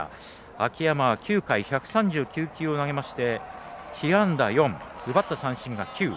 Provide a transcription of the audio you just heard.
秋山は９回１３９球を投げまして被安打４、奪った三振が９。